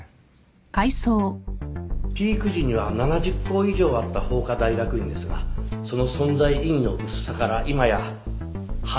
ピーク時には７０校以上あった法科大学院ですがその存在意義の薄さから今や半数以下